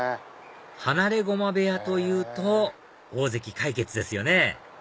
放駒部屋というと大関魁傑ですよね！